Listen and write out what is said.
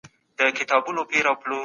د الله تعالی په لار کي خرڅ وکړئ.